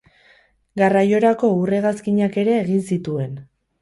Garraiorako ur-hegazkinak ere egin zituen.